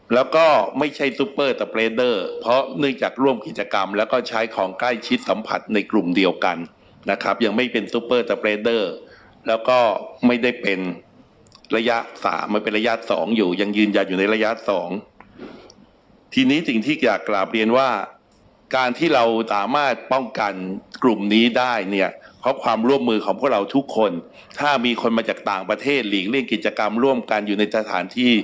แล้วก็ไม่ใช่ซูเปอร์สเปรดเดอร์เพราะเนื่องจากร่วมกิจกรรมแล้วก็ใช้ของใกล้ชิดสัมผัสในกลุ่มเดียวกันนะครับยังไม่เป็นซูเปอร์สเปรดเดอร์แล้วก็ไม่ได้เป็นระยะสามมันเป็นระยะสองอยู่ยังยืนยันอยู่ในระยะสองทีนี้สิ่งที่อยากกลับเรียนว่าการที่เราสามารถป้องกันกลุ่มนี้ได้เนี่ยเพราะความร่วมมือของพวกเราท